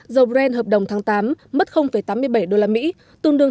dầu bren hợp đồng tháng tám mất tám mươi bảy usd tương đương hai hai